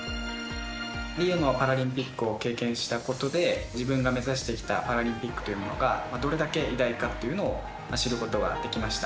リオのパラリンピックを経験したことで自分が目指してきたパラリンピックというものがどれだけ偉大かというのを知ることができました。